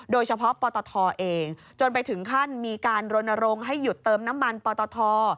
โดยเฉพาะปตทเองจนไปถึงขั้นมีการรณรงค์ให้หยุดเติมน้ำมันปตท